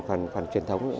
phần truyền thống